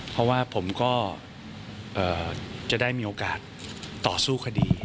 เพราะว่าผมก็จะได้มีโอกาสต่อสู้คดี